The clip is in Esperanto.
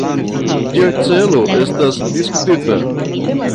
Ĝia celo estas diskutita.